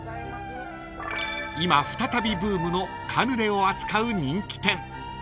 ［今再びブームのカヌレを扱う人気店］